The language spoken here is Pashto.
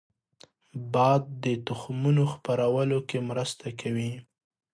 باد د تخمونو خپرولو کې مرسته کوي